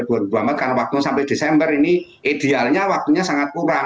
karena waktu sampai desember ini idealnya waktunya sangat kurang